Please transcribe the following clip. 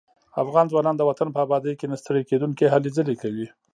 افغان ځوانان د وطن په ابادۍ کې نه ستړي کېدونکي هلې ځلې کوي.